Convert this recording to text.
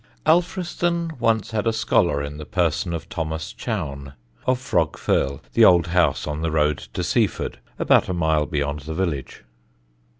Alfriston once had a scholar in the person of Thomas Chowne, of Frog Firle, the old house on the road to Seaford, about a mile beyond the village.